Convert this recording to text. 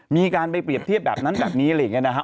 มีการไปเปรียบเทียบแบบนั้นแบบนี้อะไรอย่างนี้นะครับ